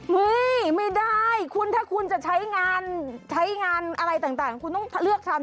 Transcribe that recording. นี่ไม่ได้คุณถ้าคุณจะใช้งานใช้งานอะไรต่างคุณต้องเลือกทำ